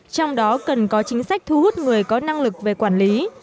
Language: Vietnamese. trong đó cần có chính sách thu hút người có năng lực về quản lý